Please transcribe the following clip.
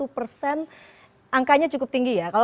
enam puluh satu persen angkanya cukup tinggi ya